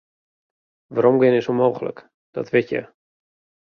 Weromgean is ûnmooglik, dat wit hja.